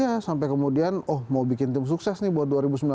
iya sampai kemudian oh mau bikin tim sukses nih buat dua ribu sembilan belas